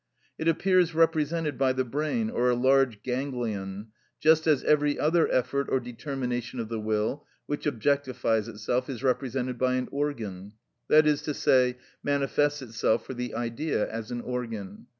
It appears represented by the brain or a large ganglion, just as every other effort or determination of the will which objectifies itself is represented by an organ, that is to say, manifests itself for the idea as an organ.